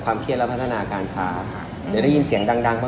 ผมกลัวว่าเขาว่ารมเสียไง